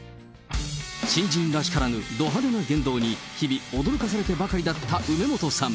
新人らしからぬ、ど派手な言動に日々驚かされてばかりだった梅本さん。